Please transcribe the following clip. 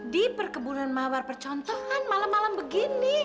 di perkebunan mawar percontohan malam malam begini